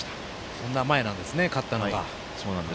そんな前なんですね勝ったのは。